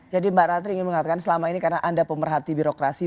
jadi mbak rathri ingin mengatakan selama ini karena anda pemerhati birokrasi